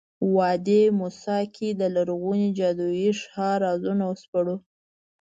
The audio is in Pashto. وادي موسی کې د لرغوني جادویي ښار رازونه سپړو.